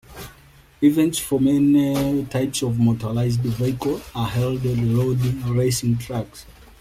Events for many types of motorized vehicles are held at road racing tracks.